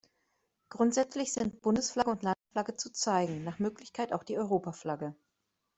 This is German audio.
Grundsätzlich sind Bundesflagge und Landesflagge zu zeigen, nach Möglichkeit auch die Europaflagge.